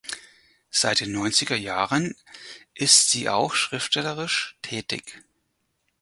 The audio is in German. Seit den Neunzigerjahren ist sie auch schriftstellerisch tätig.